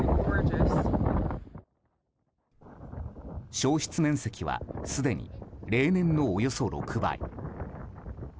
焼失面積はすでに例年のおよそ６倍。